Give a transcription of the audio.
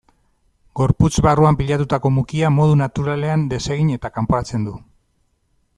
Gorputz barruan pilatutako mukia modu naturalean desegin eta kanporatzen du.